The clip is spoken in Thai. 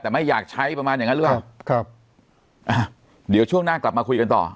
แต่ไม่อยากใช้ประมาณอย่างนั้นหรือเปล่าครับอ่ะเดี๋ยวช่วงหน้ากลับมาคุยกันต่อ